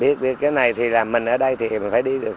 biết cái này thì là mình ở đây thì mình phải đi được